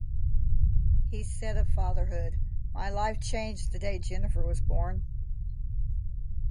He said of fatherhood: My life changed the day Jennifer was born.